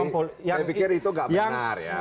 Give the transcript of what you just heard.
saya pikir itu nggak benar ya